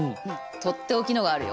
とっておきのがあるよ。